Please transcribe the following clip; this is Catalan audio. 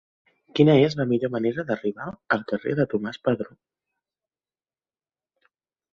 Quina és la millor manera d'arribar al carrer de Tomàs Padró?